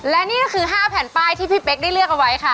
และนี่ก็คือ๕แผ่นป้ายที่พี่เป๊กได้เลือกเอาไว้ค่ะ